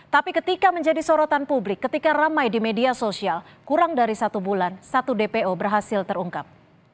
tapi ketika menjadi sorotan publik ketika ramai di media sosial kurang dari satu bulan satu dpo berhasil terungkap